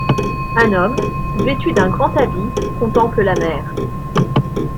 Un homme, vêtu d'un grand habit, contemple la mer.